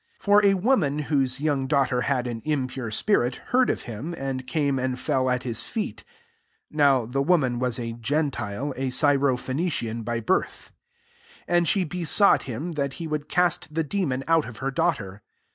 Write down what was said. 25 For a woman, whose young daughter had an impure spirit, heard of him, and came and fell at his feet ; 26 (now the woman was a gentile, a Syrophenician by birth;) and she besought him that he would cast the de« mon out of her daughter.